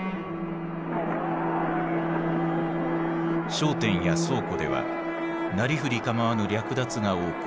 商店や倉庫ではなりふり構わぬ略奪が横行。